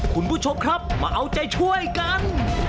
คุณผู้ชมครับมาเอาใจช่วยกัน